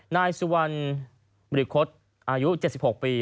นายสุวรรณบริคตอายุ๗๖ปี